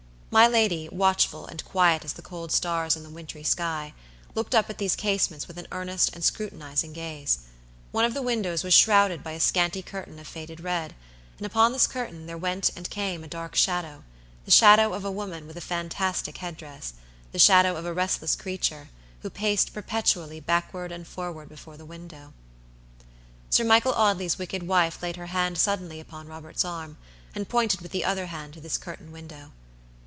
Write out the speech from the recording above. My lady, watchful and quiet as the cold stars in the wintry sky, looked up at these casements with an earnest and scrutinizing gaze. One of the windows was shrouded by a scanty curtain of faded red; and upon this curtain there went and came a dark shadow, the shadow of a woman with a fantastic head dress, the shadow of a restless creature, who paced perpetually backward and forward before the window. Sir Michael Audley's wicked wife laid her hand suddenly upon Robert's arm, and pointed with the other hand to this curtained window.